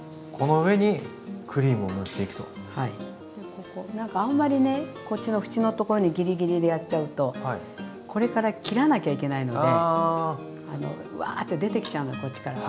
ここ何かあんまりねこっちの縁のところにギリギリでやっちゃうとこれから切らなきゃいけないのであのわって出てきちゃうのこっちから。